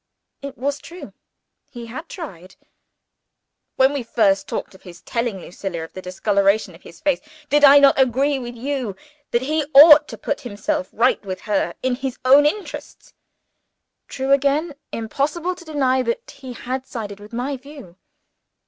It was true. He had tried. "When we first talked of his telling Lucilla of the discoloration of his face, did I not agree with you that he ought to put himself right with her, in his own interests?" True again. Impossible to deny that he had sided with my view.